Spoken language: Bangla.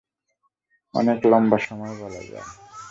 অনেক লম্বা সময় বলা যায়।